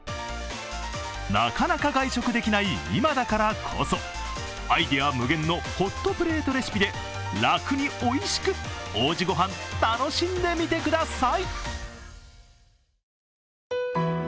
なかなか外食できない今だからこそ、アイデア無限のホットプレートレシピで楽においしく、おうちごはん、楽しんでみてください。